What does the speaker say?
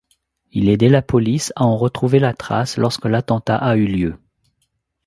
Il aidait la police à en retrouver la trace lorsque l'attentat a eu lieu.